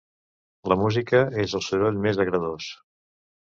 La música és el soroll més agradós.